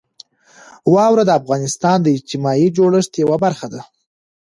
واوره د افغانستان د اجتماعي جوړښت یوه برخه ده.